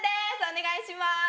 お願いします。